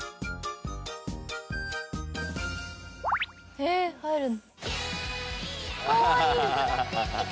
えっ入るの？